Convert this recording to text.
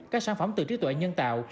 các sản phẩm từ trí tuệ nhân tạo